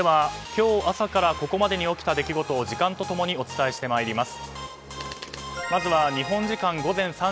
続いては、今日朝からここまでに起きた出来事を時間と共にお伝えしてまいります。